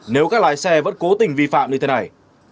nếu các lái xe vẫn cố tình vi phạm như thế này